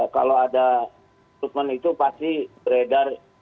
kalau ada rekrutmen itu pasti beredar